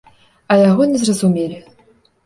А яго не зразумелі.